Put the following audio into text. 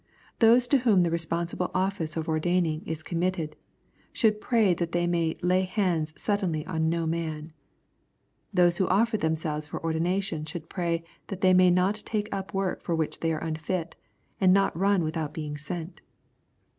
Those to whom the responsibleofficeof ordaining is com mitted, should pray that they may " lay hands sud denly on no man." Those who offer themselves for ordi nation, should pray that they may not take up work for which they are unfit, and not run without being sent.